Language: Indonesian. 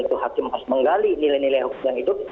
dan itu hakim harus menggali nilai nilai hukum yang itu